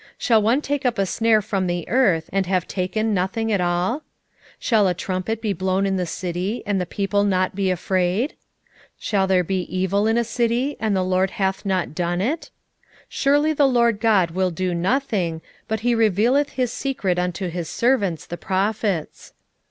shall one take up a snare from the earth, and have taken nothing at all? 3:6 Shall a trumpet be blown in the city, and the people not be afraid? shall there be evil in a city, and the LORD hath not done it? 3:7 Surely the Lord GOD will do nothing, but he revealeth his secret unto his servants the prophets.